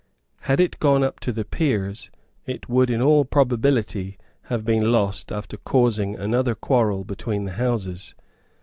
Had it gone up to the Peers it would in all probability have been lost after causing another quarrel between the Houses.